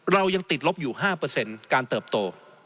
เรายังติดลบอยู่๕เปอร์เซ็นต์การเติบโต